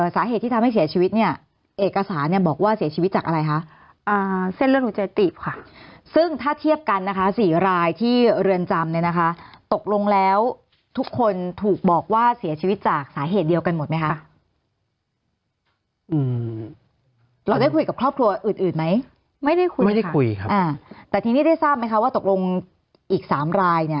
สาเหตุที่ทำให้เสียชีวิตเนี่ยเอกสารเนี่ยบอกว่าเสียชีวิตจากอะไรคะเส้นเลือดหัวใจติบค่ะซึ่งถ้าเทียบกันนะคะสี่รายที่เรือนจำเนี่ยนะคะตกลงแล้วทุกคนถูกบอกว่าเสียชีวิตจากสาเหตุเดียวกันหมดไหมคะอืมเราได้คุยกับครอบครัวอื่นอื่นไหมไม่ได้คุยไม่ได้คุยครับอ่าแต่ทีนี้ได้ทราบไหมคะว่าตกลงอีกสามรายเนี่ย